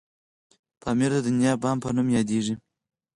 پامير د دنيا بام په نوم یادیږي.